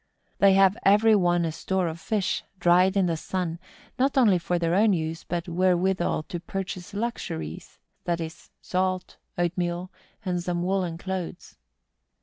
They have every one a store of fish, dried in the sun, not only for their own use, but wherewithal to purchase luxuries—that is, salt, oatmeal, and some woollen clothes.